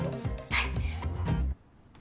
はい。